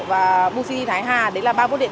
và bù city thái hà đấy là ba bốt điện